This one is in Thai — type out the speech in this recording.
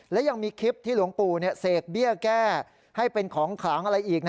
และยังมีคลิปที่หลวงปู่เสกเบี้ยแก้ให้เป็นของขลังอะไรอีก